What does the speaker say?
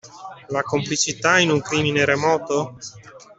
La complicità in un crimine remoto?